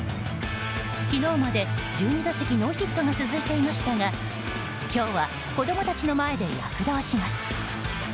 昨日まで１２打席ノーヒットが続いていましたが今日は子供たちの前で躍動します。